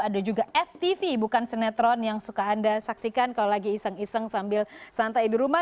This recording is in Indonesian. ada juga ftv bukan sinetron yang suka anda saksikan kalau lagi iseng iseng sambil santai di rumah